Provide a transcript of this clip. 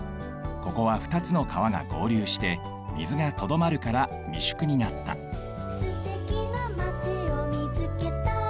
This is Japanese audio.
ここはふたつの川がごうりゅうして水がとどまるから三宿になった「すてきなまちをみつけたよ」